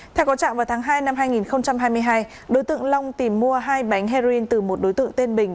theo có trạng vào tháng hai năm hai nghìn hai mươi hai đối tượng long tìm mua hai bánh heroin từ một đối tượng tên bình